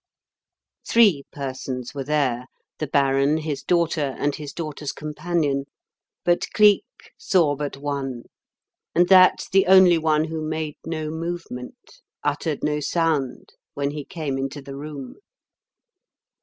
Three persons were there: the Baron, his daughter, and his daughter's companion; but Cleek saw but one and that the only one who made no movement, uttered no sound, when he came into the room.